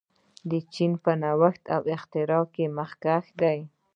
چین په نوښت او اختراع کې مخکښ دی.